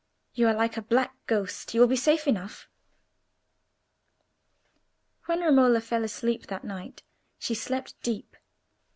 You are like a black ghost; you will be safe enough." When Romola fell asleep that night, she slept deep.